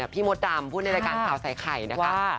พี่มดดำพูดในการข่าวใส่ไข่ว่า